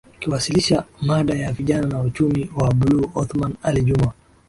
Akiwasilisha mada ya Vijana na Uchumi wa buluu Othman Ali Juma